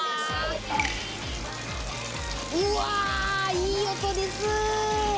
いい音です。